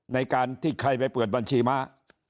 ในการที่ใครไปเปิดบัญชีม้า